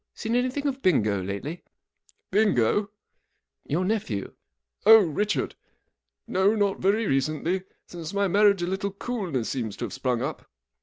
Seen anything of Bingo lately ? (i Bingo ? >J * 4 Your nephew." " Oh, Richard ? No, not very recently. Since my marriage a little coolness seems to have sprung up."